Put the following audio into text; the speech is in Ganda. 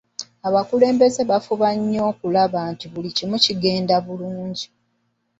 Abakulumbeze baafubanga nnyo okulaba nti buli kigenda bulungi.